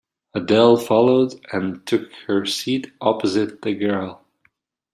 Adele followed and took her seat opposite the girl.